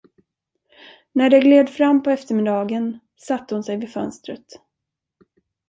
När det gled fram på eftermiddagen, satte hon sig vid fönstret.